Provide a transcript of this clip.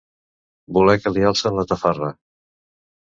Voler que li alcen la tafarra.